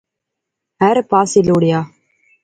ہر پاسے لوڑیا